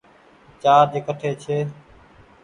چآرج ڪٺي ڇي ۔